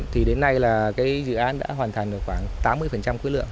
thì đến nay là cái dự án đã hoàn thành được khoảng tám mươi quyết lượng